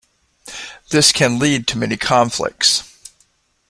This can lead to many conflicts.